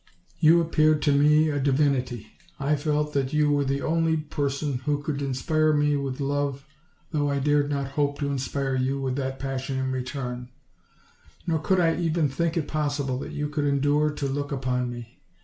You appeared to me a divinity; I felt that you were the only person who could inspire me with love, though I dared not hope to inspire you with that passion in return; nor could I even think it possible that you could endure to look upon me.